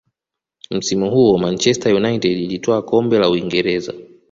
msimu huo manchester united ilitwaa kombe la uingereza